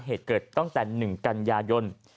เหตุเกิดตั้งแต่๑กันยายน